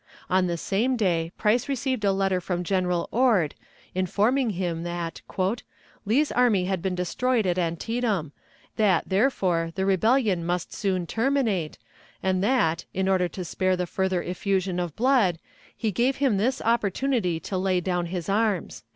On the same day Price received a letter from General Ord, informing him that "Lee's army had been destroyed at Antietam; that, therefore, the rebellion must soon terminate, and that, in order to spare the further effusion of blood, he gave him this opportunity to lay down his arms."